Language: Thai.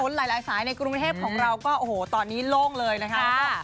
ถนนหลายสายในกรุงเทพฯของเราก็ตอนนี้โล่งเลยนะครับ